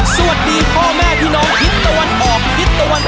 สวัสดีพ่อแม่พี่น้องทิศตะวันออกทิศตะวัน